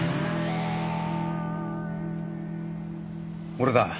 俺だ